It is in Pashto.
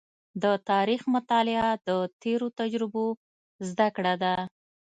د تاریخ مطالعه د تېرو تجربو زده کړه ده.